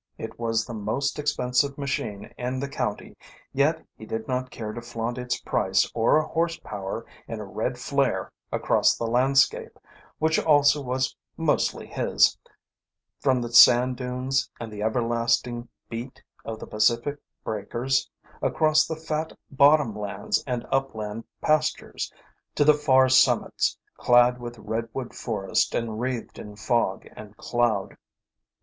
It was the most expensive machine in the county, yet he did not care to flaunt its price or horse power in a red flare across the landscape, which also was mostly his, from the sand dunes and the everlasting beat of the Pacific breakers, across the fat bottomlands and upland pastures, to the far summits clad with redwood forest and wreathed in fog and cloud.